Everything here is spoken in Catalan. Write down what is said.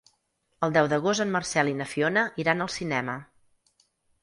El deu d'agost en Marcel i na Fiona iran al cinema.